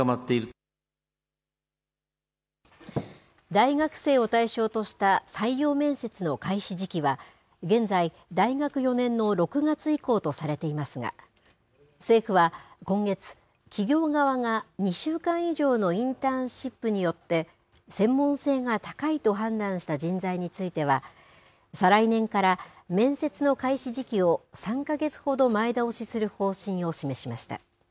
大学生を対象とした採用面接の開始時期は、現在、大学４年の６月以降とされていますが、政府は今月、企業側が２週間以上のインターンシップによって、専門性が高いと判断した人材については、再来年から面接の開始時期を３か月ほど前倒しする方針を示しました。